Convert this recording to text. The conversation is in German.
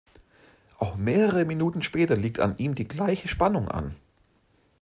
Auch mehrere Minuten später liegt an ihm die gleiche Spannung an.